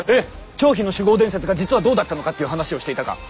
張飛の酒豪伝説が実はどうだったのかっていう話をしていたか？